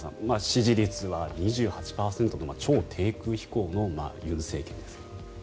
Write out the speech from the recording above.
支持率は２８％と超低空飛行の尹政権ですが。